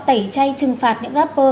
tẩy chay trừng phạt những rapper